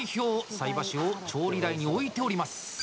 菜箸を調理台に置いております。